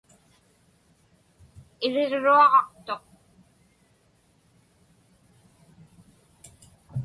Iriġruaġaqtuq.